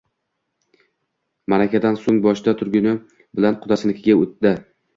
Maʼrakadan soʼng boshda tuguni bilan qudasinikiga oʼtdi.